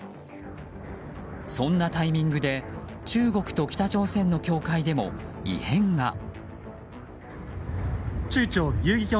そんなタイミングで中国と北朝鮮の境界でも異変が。